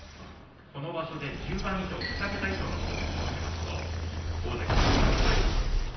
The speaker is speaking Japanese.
この場所で１０番以上２桁以上の白星を挙げますと大関復帰がかないます。